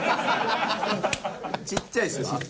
ちっちゃいですか？